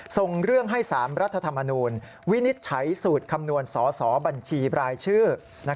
ส่งเรื่องให้๓รัฐธรรมนูลวินิจฉัยสูตรคำนวณสอสอบัญชีบรายชื่อ